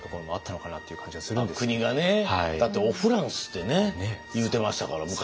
だって「おフランス」ってね言うてましたから昔。